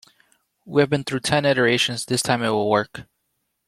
We have been through ten iterations, this time it will work!.